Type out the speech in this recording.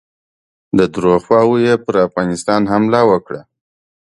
د دریو خواوو یې پر افغانستان حمله وکړه.